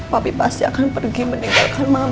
papi pasti akan pergi meninggalkan mami